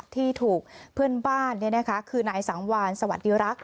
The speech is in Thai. ที่ถูกเพื่อนบ้านคือนายสังวานสวัสดีรักษ